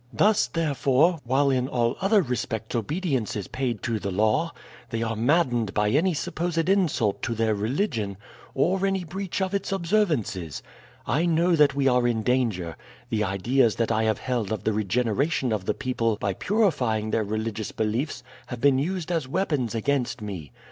Thus, therefore, while in all other respects obedience is paid to the law, they are maddened by any supposed insult to their religion, or any breach of its observances. I know that we are in danger. The ideas that I have held of the regeneration of the people by purifying their religious beliefs have been used as weapons against me.